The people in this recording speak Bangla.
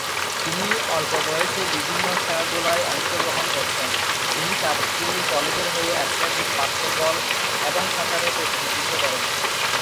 তিনি অল্প বয়সে বিভিন্ন খেলাধুলায় অংশ গ্রহণ করতেন, তিনি তাঁর স্কুল ও কলেজের হয়ে অ্যাথলেটিকস, বাস্কেটবল এবং সাঁতারে প্রতিনিধিত্ব করেন।